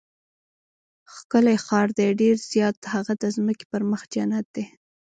ښکلی ښار دی؟ ډېر زیات، هغه د ځمکې پر مخ جنت دی.